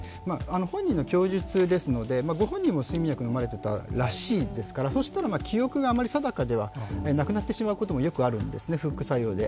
本人の供述ですのでご本人も睡眠薬を飲まれていたらしいですからそうしたら記憶があまり定かではなくなってしまうこともよくあるんですね、副作用で。